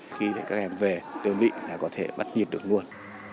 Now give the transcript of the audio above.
khi các em về đơn vị có thể bắt nhiệt được luôn